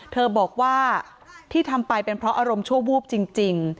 เธอบอกว่าที่ทำไปเป็นเพราะอารมณ์ชั่ววูบจริง